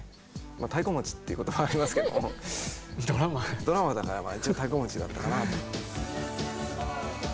たいこ持ちっていう言葉ありますけどもドラマーだから一応たいこ持ちだったかなと。